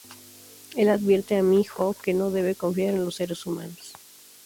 El advierte a Mi Ho que no debe confiar en los seres humanos.